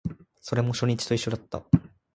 それも初日と一緒だった